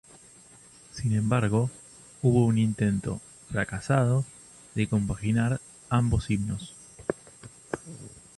Sin embargo, hubo un intento –fracasado- de compaginar ambos himnos.